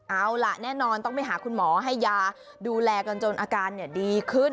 เอาล่ะแน่นอนต้องไปหาคุณหมอให้ยาดูแลกันจนอาการดีขึ้น